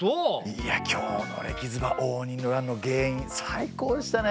いや今日のレキズバ応仁の乱の原因最高でしたね！